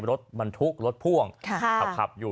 รถบรรทุกรถพ่วงขับอยู่